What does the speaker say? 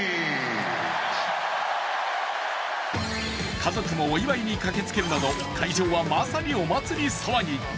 家族もお祝いに駆けつけるなど会場はまさにお祭り騒ぎ。